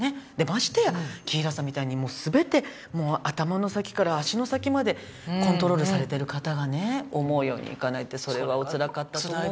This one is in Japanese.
ましてや紀平さんみたいに全て頭の先から足の先までコントロールされてる方がね思うようにいかないってそれはおつらかったと思うわ。